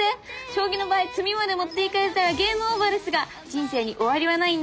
将棋の場合詰みまで持っていかれたらゲームオーバーですが人生に終わりはないんだぞ！